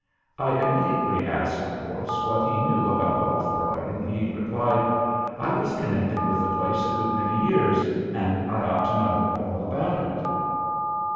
I immediately asked, of course, what he knew about the Hofbräu, and he replied, "I was connected with the place a good many years, and I ought to know all about it."